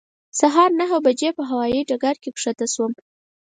سهار نهه بجې په هوایې ډګر کې ښکته شوم.